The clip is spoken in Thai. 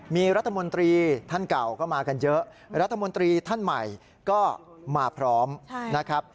มีรัฐมนตรีท่านเก่าก็มากันเยอะรัฐมนตรีท่านใหม่ก็มาพร้อมนะครับ